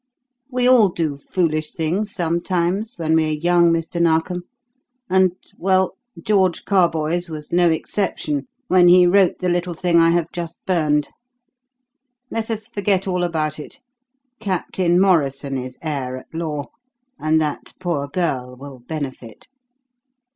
"We all do foolish things sometimes when we are young, Mr. Narkom, and well, George Carboys was no exception when he wrote the little thing I have just burned. Let us forget all about it Captain Morrison is heir at law, and that poor girl will benefit."